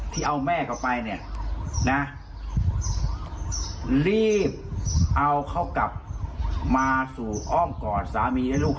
ถ้ายังมีพฤติกรรมนี้อยู่